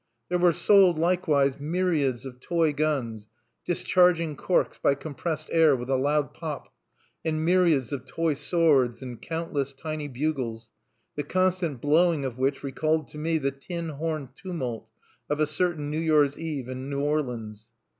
There were sold likewise myriads of toy guns discharging corks by compressed air with a loud pop, and myriads of toy swords, and countless tiny bugles, the constant blowing of which recalled to me the tin horn tumult of a certain New Year's Eve in New Orleans.